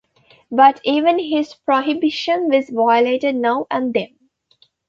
But even this prohibition was violated now and them.